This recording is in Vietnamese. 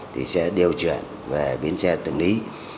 thì sẽ điều chuyển về bến xe tường lý